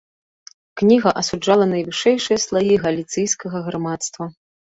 Кніга асуджала найвышэйшыя слаі галіцыйскага грамадства.